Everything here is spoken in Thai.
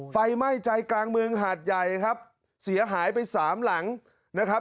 ไฟไหม้ใจกลางเมืองหาดใหญ่ครับเสียหายไปสามหลังนะครับ